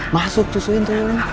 masuk tusuin tuh